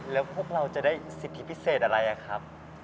แล้วพวกเราจะได้สิทธิพิเศษอะไรครับ